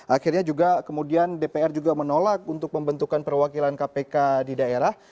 akhirnya juga kemudian dpr juga menolak untuk membentukan perwakilan kpk di daerah